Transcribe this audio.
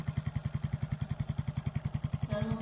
向塘镇是下辖的一个镇。